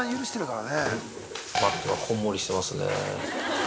マットがこんもりしてますね。